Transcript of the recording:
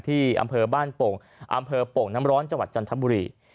ที่อำเภอบ้านโป่งอำเภอโป่งน้ำร้อนจังหวัดจันทบุรี